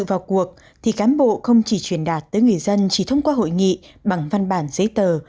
vào cuộc thì cán bộ không chỉ truyền đạt tới người dân chỉ thông qua hội nghị bằng văn bản giấy tờ